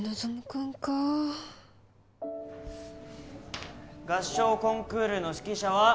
君か合唱コンクールの指揮者は